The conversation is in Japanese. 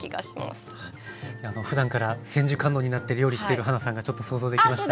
ふだんから千手観音になって料理してるはなさんがちょっと想像できました。